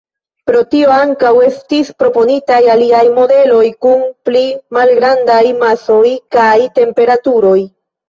Pro tio, ankaŭ estis proponitaj aliaj modeloj kun pli malgrandaj masoj kaj temperaturoj.